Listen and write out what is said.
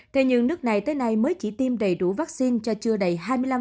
thế nhưng nước này tới nay mới chỉ tiêm đầy đủ vaccine cho chưa đầy hai mươi năm